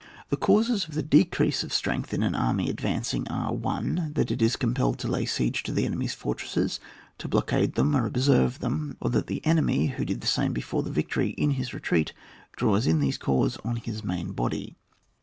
The causes of decrease of strength in an army advancing, are :— 1. That it is compelled to lay siege to the enemy's fortresses, to blockade them or observe them ; or that the enemy, who did the same before the victory, in his retreat draws in these corps on his main body.